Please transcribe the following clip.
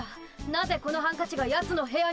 なぜこのハンカチがやつの部屋に。